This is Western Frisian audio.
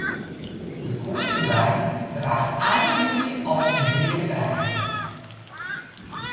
De koetsebei draacht ein july al syn reade beien.